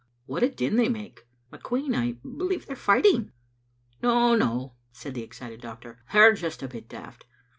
" What a din they make ! McQueen, I believe they are fighting!" "No, no," said the excited doctor, "they are just a bit daft.